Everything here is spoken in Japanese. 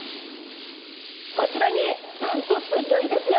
こちらになんとすギョいですよ。